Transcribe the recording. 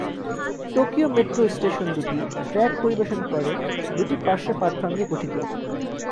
Tokyo metro station দুটি track পরিবেশন করে দুটি পার্শ্ব প্ল্যাটফর্ম নিয়ে গঠিত।